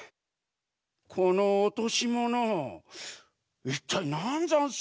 このおとしものいったいなんざんすかねえ？